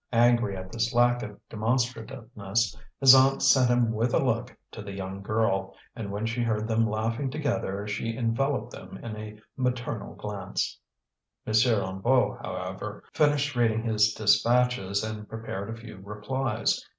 Angry at this lack of demonstrativeness, his aunt sent him with a look to the young girl; and when she heard them laughing together she enveloped them in a maternal glance. M. Hennebeau, however, finished reading his dispatches and prepared a few replies.